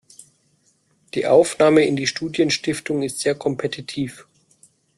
Die Aufnahme in die Studienstiftung ist sehr kompetitiv.